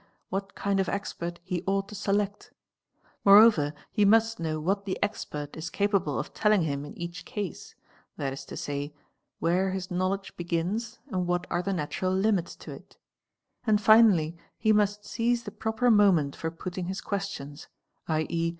what kind of expert he ought 0 select ; moreover he must know what the expert is capable of telling him in each case, that is to say, where his knowledge begins and what re the natural limits to it; and finally he must seize the proper moment 01 putting his questions, z.e.